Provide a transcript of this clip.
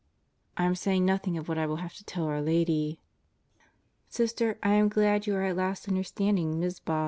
I'm saying nothing of what I will have to tell our Lady. Sister, I am glad you are at last understanding Mizpak.